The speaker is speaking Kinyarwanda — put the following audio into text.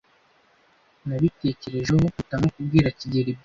Nabitekerejeho mpitamo kubwira kigeli byose.